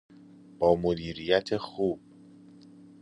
با مدیریت خوب